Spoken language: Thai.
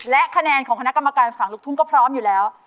และคะแนนของคณะกรรมการฝั่งลูกทุ่งก็พร้อมอยู่แล้ว